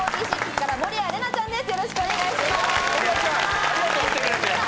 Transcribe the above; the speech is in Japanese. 櫻坂４６から守屋麗奈ちゃんです。